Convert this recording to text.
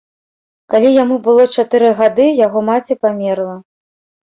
Калі яму было чатыры гады, яго маці памерла.